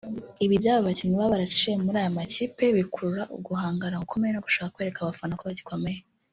Ibi by’abakinnyi baba baraciye muri aya makipe bikurura uguhangana gukomeye no gushaka kwereka abafana ko bagikomeye